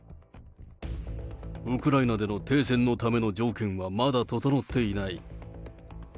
ウクライナでの停戦のための条件はまだ整っていない。